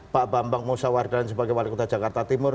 pak bambang musawar dan sebagai wali kota jakarta timur